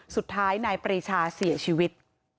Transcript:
สุดท้ายนายปรีชาเสียชีวิต